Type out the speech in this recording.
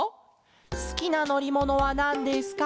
「すきなのりものはなんですか？